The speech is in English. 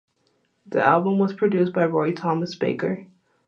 The album was produced by Roy Thomas Baker.